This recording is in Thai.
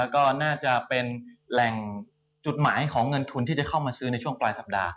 ก็น่าจะเป็นแหล่งจุดหมายของเงินทุนที่จะเข้ามาซื้อในช่วงปลายสัปดาห